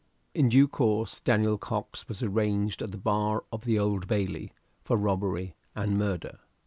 In due course Daniel Cox was arraigned at the bar of the Old Bailey for robbery and murder.